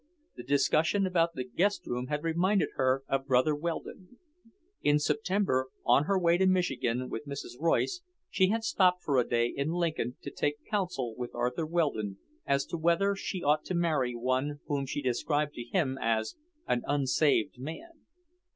The discussion about the guest room had reminded her of Brother Weldon. In September, on her way to Michigan with Mrs. Royce, she had stopped for a day in Lincoln to take counsel with Arthur Weldon as to whether she ought to marry one whom she described to him as "an unsaved man."